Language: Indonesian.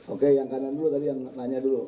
oke yang kanan dulu tadi yang nanya dulu